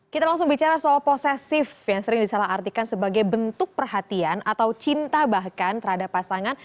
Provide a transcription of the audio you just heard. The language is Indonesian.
kita langsung bicara soal posesif yang sering disalah artikan sebagai bentuk perhatian atau cinta bahkan terhadap pasangan